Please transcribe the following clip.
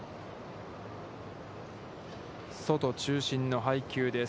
外中心の配球です。